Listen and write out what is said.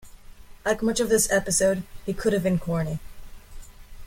Like much of this episode, it could've been corny.